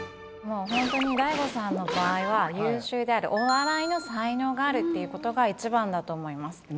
もうホントに大悟さんの場合は優秀であるお笑いの才能があるっていうことが一番だと思います